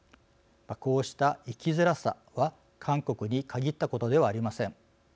こうした生きづらさは韓国に限ったことではありません。